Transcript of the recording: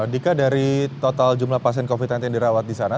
dika dari total jumlah pasien covid sembilan belas dirawat di sana